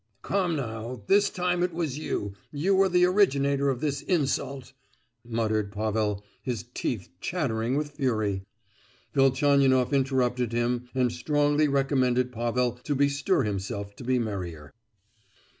"Come now, this time it was you! You were the originator of this insult!" muttered Pavel, his teeth chattering with fury. Velchaninoff interrupted him, and strongly recommended Pavel to bestir himself to be merrier.